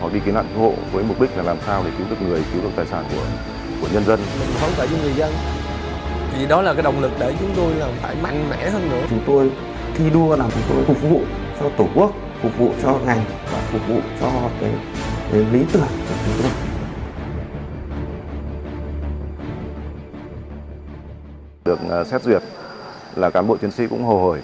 được xét duyệt là cám bộ chiến sĩ cũng hồ hồi